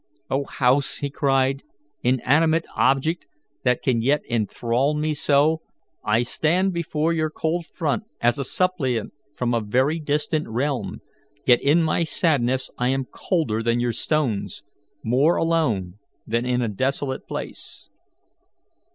"O house!" he cried, "inanimate object that can yet enthral me so, I stand before your cold front as a suppliant from a very distant realm; yet in my sadness I am colder than your stones, more alone than in a desolate place.